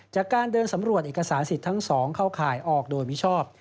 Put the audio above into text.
จากการเดินสำรวจเอกสารสิทธิ์ทั้ง๒เข้าข่ายออกโดยมิชอบ